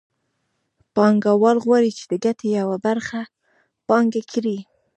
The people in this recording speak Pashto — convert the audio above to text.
پانګوال غواړي چې د ګټې یوه برخه پانګه کړي